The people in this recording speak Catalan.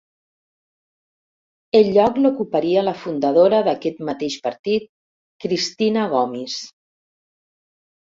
El lloc l'ocuparia la fundadora d'aquest mateix partit, Cristina Gomis.